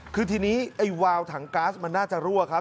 คือทีนี้ไอ้วาวถังก๊าซมันน่าจะรั่วครับ